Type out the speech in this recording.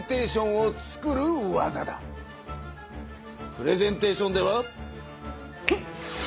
プレゼンテーションではフンッ！